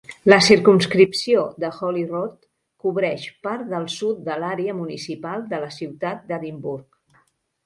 La circumscripció de Holyrood cobreix part del sud de l'àrea municipal de la ciutat d'Edimburg.